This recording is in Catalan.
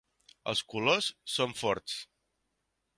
Els colors són forts.